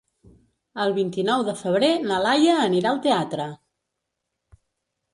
El vint-i-nou de febrer na Laia anirà al teatre.